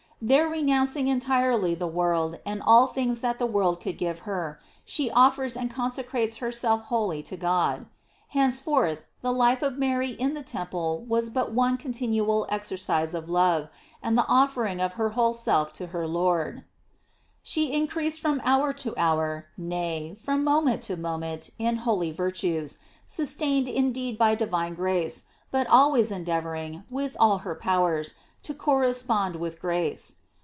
There renounc ing entirely the world and all things that the world could give her, she offers and consecrates herself wholly to God. Henceforth the life of Y60 GLORIES OF MAKY. Mary in the temple was but one continual exer cise of love, and the offering of her whole self to her Lord. She increased from hour to hour, nay, from moment to moment, in holy virtues, sus tained indeed by divine grace, but always en deavoring, with all her powers, to correspond with grace.